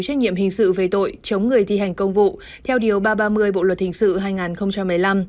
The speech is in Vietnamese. trách nhiệm hình sự về tội chống người thi hành công vụ theo điều ba trăm ba mươi bộ luật hình sự hai nghìn một mươi năm